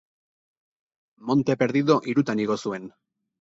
Monte Perdido hirutan igo zuen.